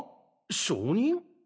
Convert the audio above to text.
証人！？